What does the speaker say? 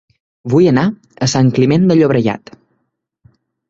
Vull anar a Sant Climent de Llobregat